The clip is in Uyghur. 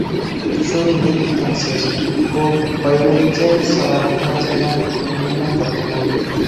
شۇ يىگىت ئىكەنسىز، بۇ بايۋەچچە سالاپىتىڭىز بىلەن تونۇيالماي قاپتىمەن.